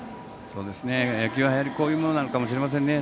野球はこういうものなのかもしれないですね。